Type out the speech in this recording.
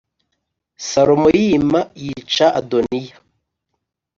Salomo yima, yica Adoniya